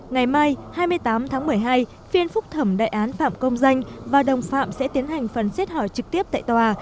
ngày mai hai mươi tám tháng một mươi hai phiên phúc thẩm đại án phạm công danh và đồng phạm sẽ tiến hành phần xét hỏi trực tiếp tại tòa